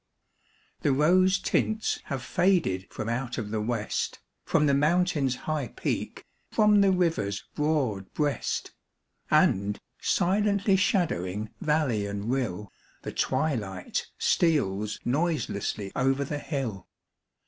The rose tints have faded from out of the West, From the Mountain's high peak, from the river's broad breast. And, silently shadowing valley and rill, The twilight steals noiselessly over the hill.